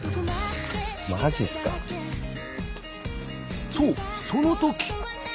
マジっすか。とそのとき。